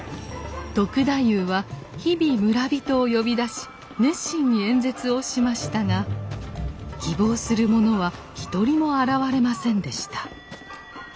篤太夫は日々村人を呼び出し熱心に演説をしましたが希望する者は一人も現れませんでした。